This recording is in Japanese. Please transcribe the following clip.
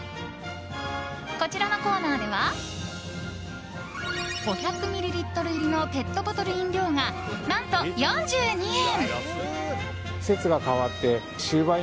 こちらのコーナーでは５００ミリリットル入りのペットボトル飲料が何と４２円。